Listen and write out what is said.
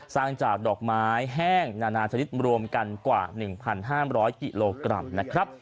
สร้างจากดอกไม้แห้งนานานธริตรวมกันกว่าหนึ่งพันห้ามร้อยกิโลกรัมนะครับ